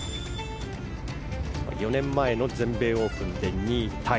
４年前の全米オープンで２位タイ。